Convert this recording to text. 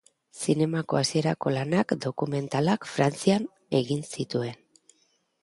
Zinemako hasierako lanak, dokumentalak, Frantzian egin zituen.